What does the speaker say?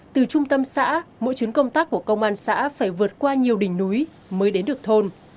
từ trung tâm xã mỗi chuyến công tác của công an xã phải vượt qua nhiều đỉnh núi mới đến được thôn